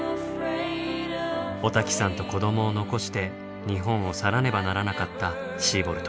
おたきさんと子どもを残して日本を去らねばならなかったシーボルト。